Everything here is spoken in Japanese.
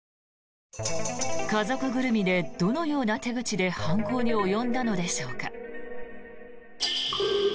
家族ぐるみで、どのような手口で犯行に及んだのでしょうか。